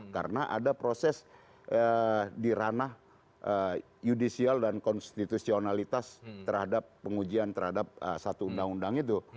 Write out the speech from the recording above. karena ada proses di ranah judicial dan konstitusionalitas terhadap pengujian terhadap satu undang undang itu